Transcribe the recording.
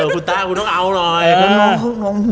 คุณต้าคุณต้องเอาหน่อย